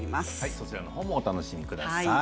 そちらのほうもお楽しみください。